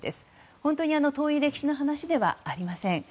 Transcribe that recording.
本当に遠い歴史の話ではありません。